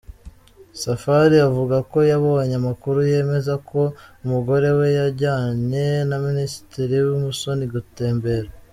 Safari avuga ko yabonye amakuru yemeza ko umugore we yajyanye na Minisitiri Musoni gutembera.